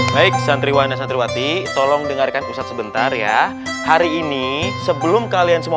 baik santriwana santriwati tolong dengarkan ustadz sebentar ya hari ini sebelum kalian semua